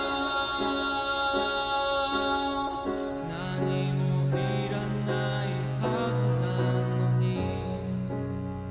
「何もいらないはずなのに」